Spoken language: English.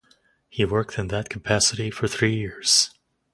He worked in that capacity for three years.